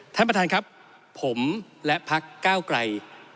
ท่านประธานครับผมและพักก้าวไกล